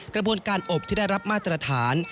กระบวนการอบที่ได้รับมาตรฐาน